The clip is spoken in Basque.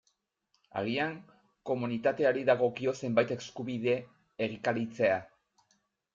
Agian komunitateari dagokio zenbait eskubide egikaritzea.